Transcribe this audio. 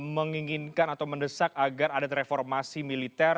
menginginkan atau mendesak agar ada reformasi militer